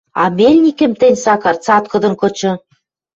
А мельникӹм тӹнь, Сакар, цаткыдын кычы...